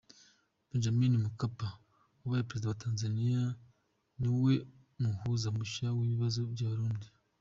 Benjamin Mkapa wabaye Perezida wa Tanzania niwe muhuza mushya ku bibazo by’Abarundi